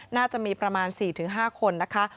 น่าจะมีประมาณ๔๕คนนะคะ